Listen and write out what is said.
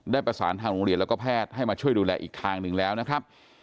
ได้ประสานทางโรงเรียนแล้วก็แพทย์ให้มาช่วยดูแลอีกทางหนึ่งแล้วนะครับ